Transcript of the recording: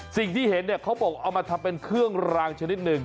สิ่งที่เห็นเนี่ยเขาบอกเอามาทำเป็นเครื่องรางชนิดหนึ่ง